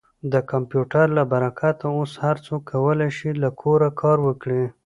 د کمپیوټر له برکته اوس هر څوک کولی شي له کوره کار وکړي.